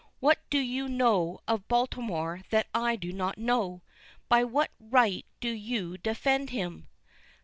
What do you know of Baltimore that I do not know? By what right do you defend him?"